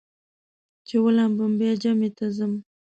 چې ولامبم بیا جمعې ته ځم.